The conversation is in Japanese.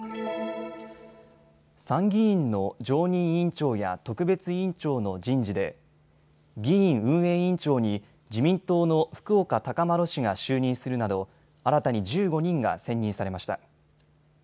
参議院の常任委員長や特別委員長の人事で議院運営委員長に自民党の福岡資麿氏が就任するなど新たに１５人が選任されました。